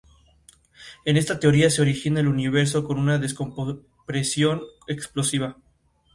En esta teoría se origina el universo con una descompresión explosiva.